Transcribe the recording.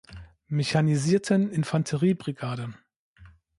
Mechanisierten Infanteriebrigade.